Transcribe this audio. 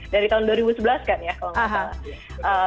dari tahun dua ribu sebelas kan ya kalau nggak salah